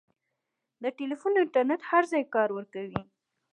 د ټیلیفون انټرنېټ هر ځای کار ورکوي.